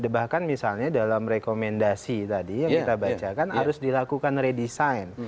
bahkan misalnya dalam rekomendasi tadi yang kita bacakan harus dilakukan redesign